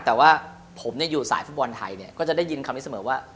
แต่ว่าผมอยู่สายฟุตบอลไทยเนี่ยก็จะได้ยินคำนี้เสมอว่า